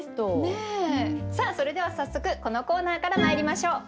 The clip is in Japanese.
さあそれでは早速このコーナーからまいりましょう。